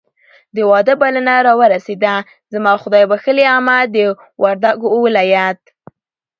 د واده بلنه راورسېده. زما خدایبښلې عمه د وردګو ولایت